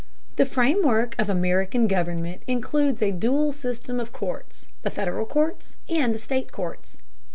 The framework of American government includes a dual system of courts, the Federal courts and the state courts.